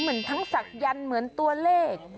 เหมือนทั้งศักยันต์เหมือนตัวเลข